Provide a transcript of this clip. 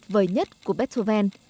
tuyệt vời nhất của beethoven